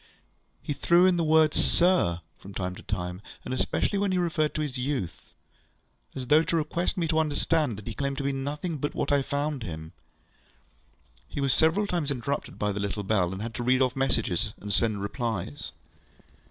He threw in the word, ŌĆ£Sir, ŌĆØ from time to time, and especially when he referred to his youth, ŌĆöas though to request me to understand that he claimed to be nothing but what I found him. He was several times interrupted by the little bell, and had to read off messages, and send replies.